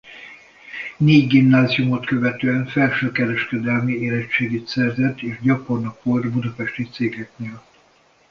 Négy gimnáziumot követően felsőkereskedelmi érettségit szerzett és gyakornok volt budapesti cégeknél.